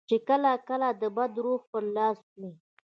چې کله کله د بد روح پر لاس وي.